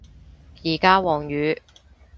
而家黃雨